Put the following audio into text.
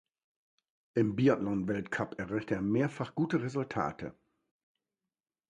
Im Biathlon-Weltcup erreichte er mehrfach gute Resultate.